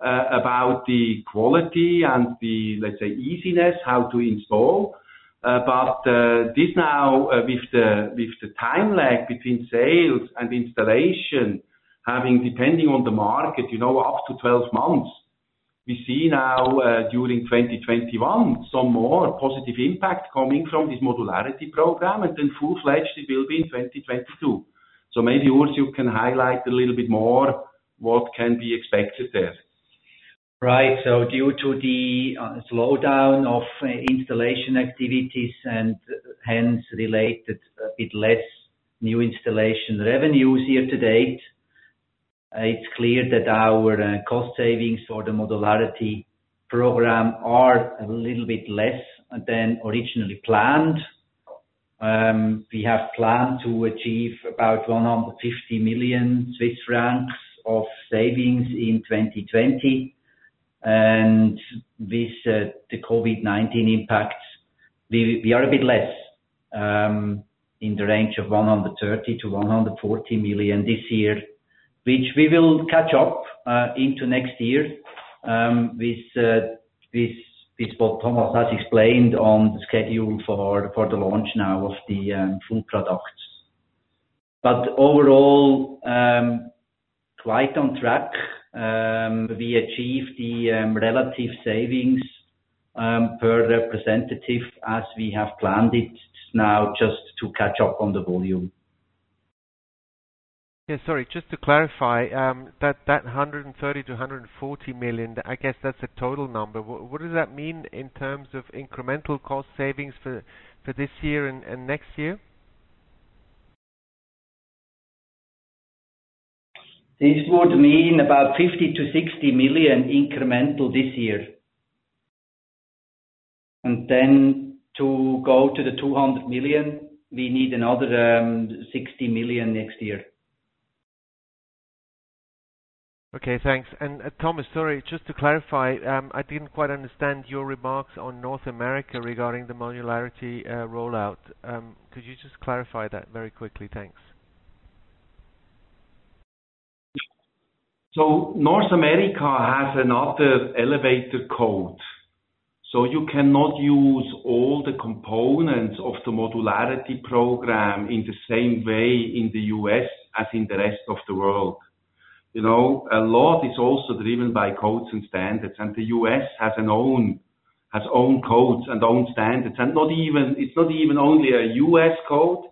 about the quality and the, let's say, easiness, how to install. This now with the time lag between sales and installation, having, depending on the market, up to 12 months, we see now, during 2021, some more positive impact coming from this modularity program, and then full-fledged it will be in 2022. Maybe, Urs, you can highlight a little bit more what can be expected there. Right. Due to the slowdown of installation activities and hence related a bit less new installation revenues here to date, it's clear that our cost savings or the modularity program are a little bit less than originally planned. We have planned to achieve about 150 million Swiss francs of savings in 2020. With the COVID-19 impact, we are a bit less, in the range of 130 million-140 million this year, which we will catch up into next year, with what Thomas has explained on the schedule for the launch now of the full product. Overall, quite on track. We achieved the relative savings per representative as we have planned it, now just to catch up on the volume. Yeah, sorry, just to clarify, that 130 million-140 million, I guess that's a total number. What does that mean in terms of incremental cost savings for this year and next year? This would mean about 50 million-60 million incremental this year. To go to the 200 million, we need another 60 million next year. Okay, thanks. Thomas, sorry, just to clarify, I didn't quite understand your remarks on North America regarding the modularity rollout. Could you just clarify that very quickly? Thanks. North America has another elevator code. You cannot use all the components of the modularity program in the same way in the U.S. as in the rest of the world. A lot is also driven by codes and standards, and the U.S. has own codes and own standards. It's not even only a U.S. code.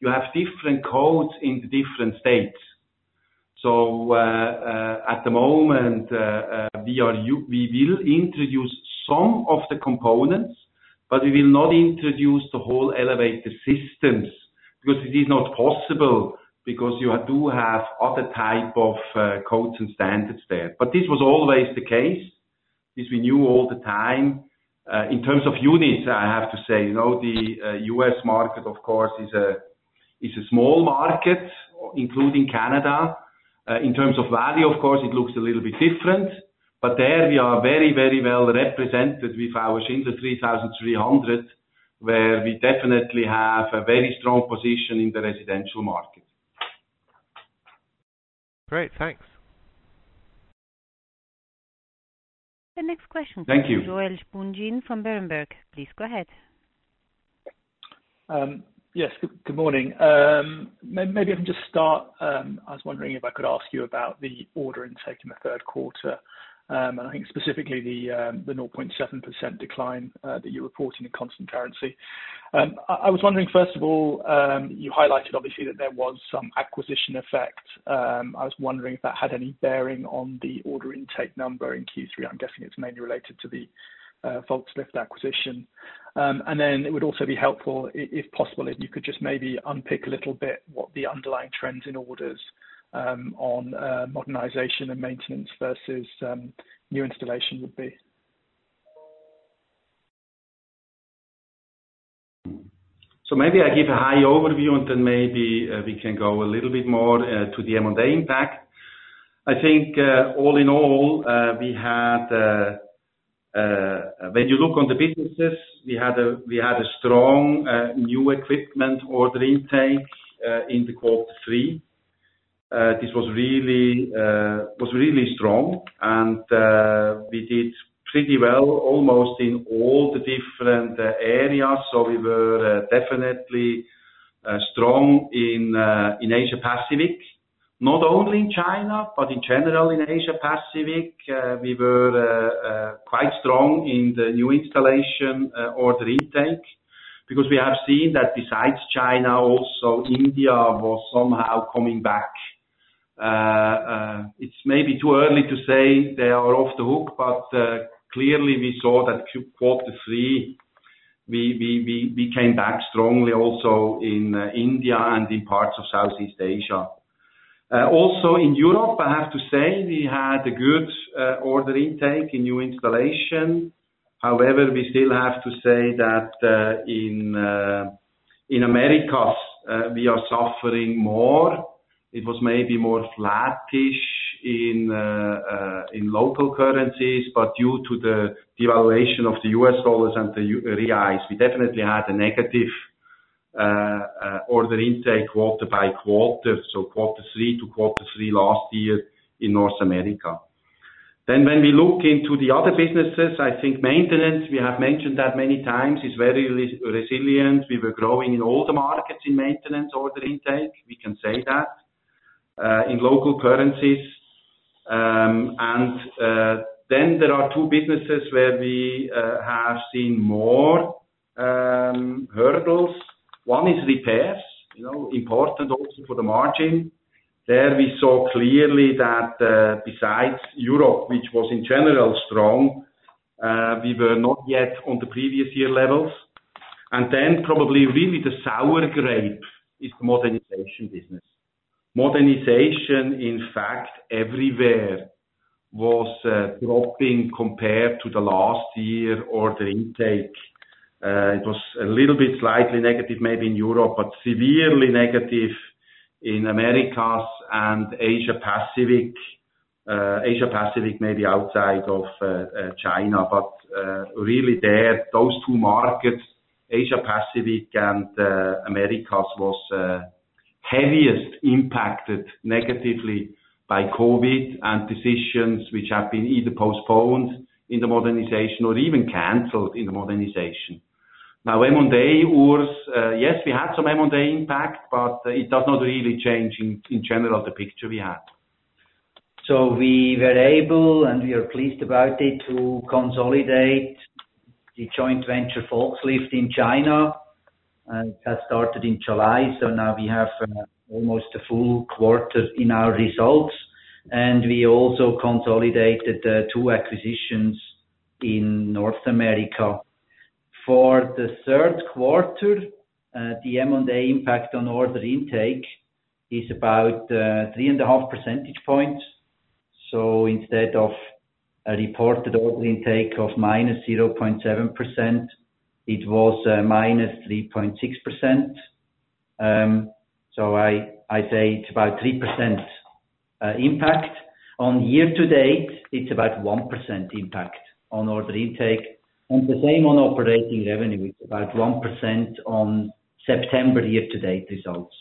You have different codes in the different states. At the moment, we will introduce some of the components, but we will not introduce the whole elevator systems because it is not possible, because you do have other type of codes and standards there. This was always the case, this we knew all the time. In terms of units, I have to say, the U.S. market, of course, is a small market, including Canada. In terms of value, of course, it looks a little bit different. There we are very, very well represented with our Schindler 3300, where we definitely have a very strong position in the residential market. Great. Thanks. The next question. Thank you. comes from Joel Spungin from Berenberg. Please go ahead. Yes. Good morning. Maybe I can just start, I was wondering if I could ask you about the order intake in the third quarter, and I think specifically the 0.7% decline that you report in a constant currency. I was wondering, first of all, you highlighted obviously that there was some acquisition effect. I was wondering if that had any bearing on the order intake number in Q3. I'm guessing it's mainly related to the Volkslift acquisition. Then it would also be helpful, if possible, if you could just maybe unpick a little bit what the underlying trends in orders on modernization and maintenance versus new installation would be. Maybe I give a high overview, and then maybe we can go a little bit more to the M&A impact. I think all in all, when you look on the businesses, we had a strong new equipment order intake in the quarter three. This was really strong, and we did pretty well almost in all the different areas. We were definitely strong in Asia-Pacific, not only in China, but in general in Asia-Pacific. We were quite strong in the new installation order intake, because we have seen that besides China, also India was somehow coming back. It may be too early to say they are off the hook, but clearly we saw that quarter three, we came back strongly also in India and in parts of Southeast Asia. Also in Europe, I have to say, we had a good order intake in new installation. We still have to say that in Americas, we are suffering more. It was maybe more flattish in local currencies, due to the devaluation of the U.S. dollars and the reais, we definitely had a negative order intake quarter by quarter, so quarter three to quarter three last year in North America. When we look into the other businesses, I think maintenance, we have mentioned that many times, is very resilient. We were growing in all the markets in maintenance order intake. We can say that in local currencies. There are two businesses where we have seen more hurdles. One is repairs, important also for the margin. There we saw clearly that besides Europe, which was in general strong, we were not yet on the previous year levels. Probably really the sour grape is the modernization business. Modernization, in fact, everywhere was dropping compared to the last year order intake. It was a little bit slightly negative maybe in Europe, but severely negative in Americas and Asia-Pacific. Asia-Pacific maybe outside of China. Really there, those two markets, Asia-Pacific and Americas, was heaviest impacted negatively by COVID and decisions which have been either postponed in the modernization or even canceled in the modernization. M&A, Urs. Yes, we had some M&A impact, but it does not really change in general the picture we had. We were able, and we are pleased about it, to consolidate the joint venture Volkslift in China. That started in July. Now we have almost a full quarter in our results. We also consolidated two acquisitions in North America. For the third quarter, the M&A impact on order intake is about 3.5 percentage points. Instead of a reported order intake of -0.7%, it was -3.6%. I say it's about 3% impact. On year-to-date, it's about 1% impact on order intake, and the same on operating revenue. It's about 1% on September year-to-date results.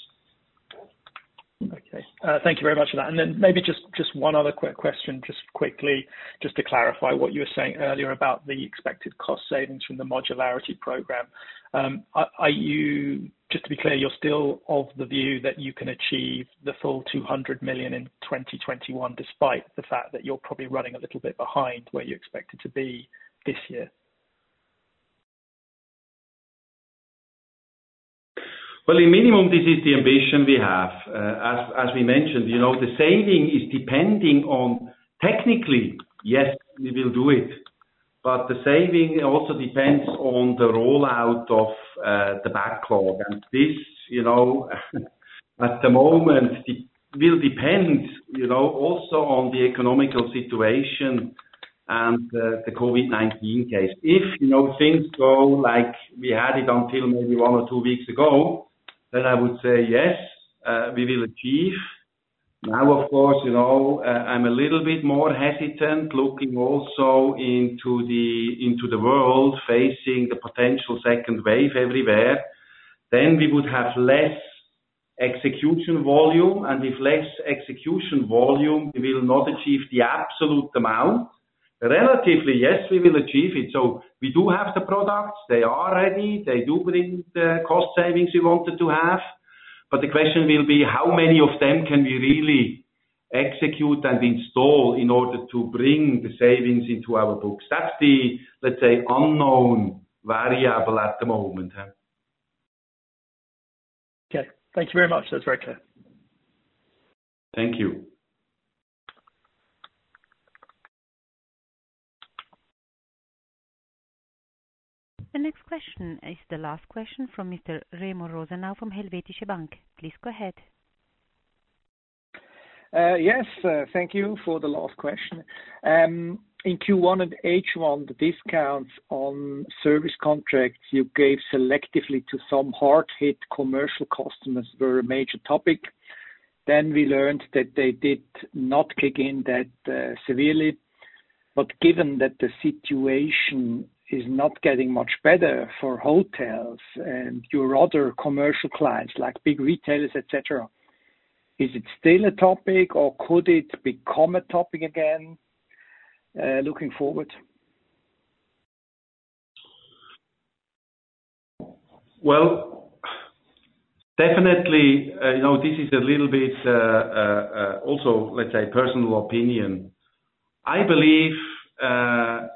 Okay. Thank you very much for that. Maybe just one other quick question, just quickly, just to clarify what you were saying earlier about the expected cost savings from the modularity program. Just to be clear, you're still of the view that you can achieve the full 200 million in 2021, despite the fact that you're probably running a little bit behind where you expected to be this year? Well, in minimum, this is the ambition we have. As we mentioned, the saving is depending on technically, yes, we will do it. The saving also depends on the rollout of the backlog. This, at the moment, will depend also on the economic situation and the COVID-19 case. If things go like we had it until maybe one or two weeks ago, then I would say, yes, we will achieve. Now, of course, I'm a little bit more hesitant looking also into the world, facing the potential second wave everywhere. We would have less execution volume, and with less execution volume, we will not achieve the absolute amount. Relatively, yes, we will achieve it. We do have the products. They are ready. They do bring the cost savings we wanted to have. The question will be, how many of them can we really execute and install in order to bring the savings into our books? That's the, let's say, unknown variable at the moment. Okay. Thank you very much. That's very clear. Thank you. The next question is the last question from Mr. Remo Rosenau from Helvetische Bank. Please go ahead. Yes. Thank you for the last question. In Q1 and H1, the discounts on service contracts you gave selectively to some hard-hit commercial customers were a major topic. We learned that they did not kick in that severely. Given that the situation is not getting much better for hotels and your other commercial clients like big retailers, et cetera, is it still a topic or could it become a topic again looking forward? Well, definitely, this is a little bit also, let's say, personal opinion. I believe,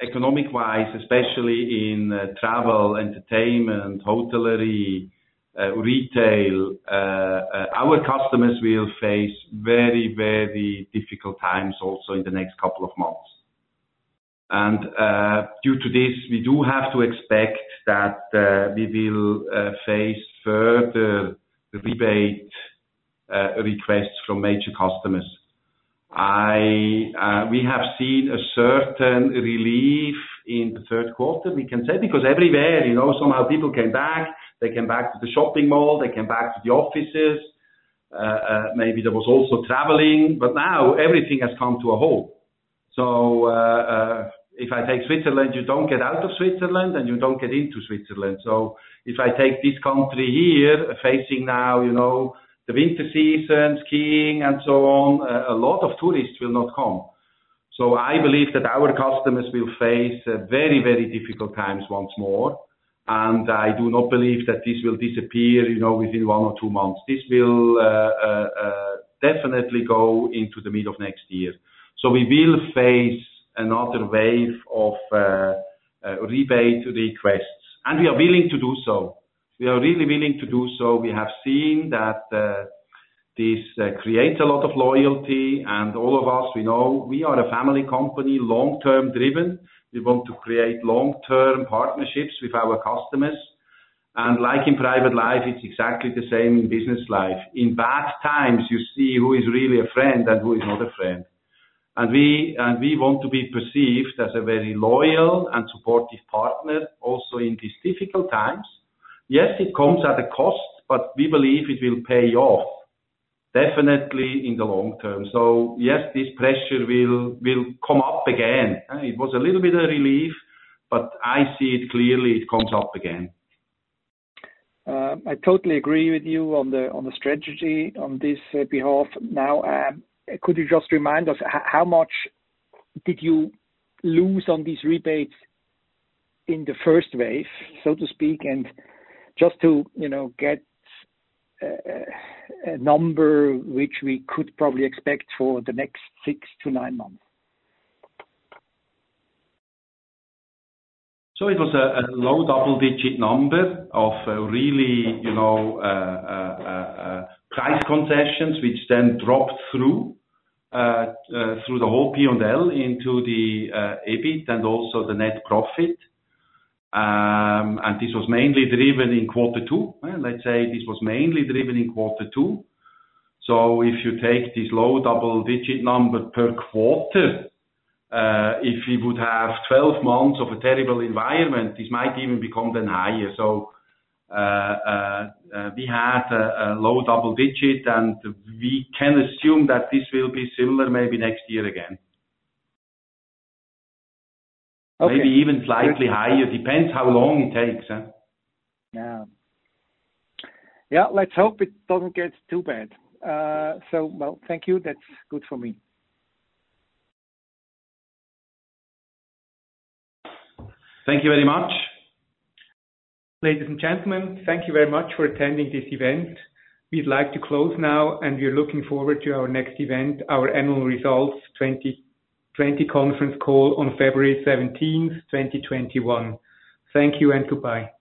economic-wise, especially in travel, entertainment, hotelery, retail, our customers will face very, very difficult times also in the next couple of months. Due to this, we do have to expect that we will face further rebate requests from major customers. We have seen a certain relief in the third quarter, we can say, because everywhere, somehow people came back. They came back to the shopping mall. They came back to the offices. Maybe there was also traveling. Now everything has come to a halt. If I take Switzerland, you don't get out of Switzerland and you don't get into Switzerland. If I take this country here, facing now the winter season, skiing and so on, a lot of tourists will not come. I believe that our customers will face very difficult times once more, and I do not believe that this will disappear within one or two months. This will definitely go into the middle of next year. We will face another wave of rebate requests, and we are willing to do so. We are really willing to do so. We have seen that this creates a lot of loyalty, and all of us, we know we are a family company, long-term driven. We want to create long-term partnerships with our customers. Like in private life, it's exactly the same in business life. In bad times, you see who is really a friend and who is not a friend. We want to be perceived as a very loyal and supportive partner also in these difficult times. Yes, it comes at a cost, but we believe it will pay off definitely in the long term. Yes, this pressure will come up again. It was a little bit of relief, but I see it clearly, it comes up again. I totally agree with you on the strategy on this behalf. Could you just remind us how much did you lose on these rebates in the first wave, so to speak, and just to get a number which we could probably expect for the next 6-9 months? It was a low double-digit number of really price concessions, which dropped through the whole P&L into the EBIT and also the net profit. This was mainly driven in quarter two. Let's say this was mainly driven in quarter two. If you take this low double-digit number per quarter, if you would have 12 months of a terrible environment, this might even become higher. We had a low double-digit, and we can assume that this will be similar maybe next year again. Okay. Maybe even slightly higher, depends how long it takes. Yeah. Let's hope it doesn't get too bad. Well, thank you. That's good for me. Thank you very much. Ladies and gentlemen, thank you very much for attending this event. We'd like to close now, and we are looking forward to our next event, our annual results 2020 conference call on February 17th, 2021. Thank you and goodbye.